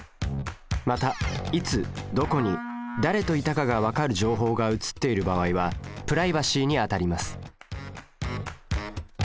またいつどこに誰といたかが分かる情報が写っている場合はプライバシーにあたります。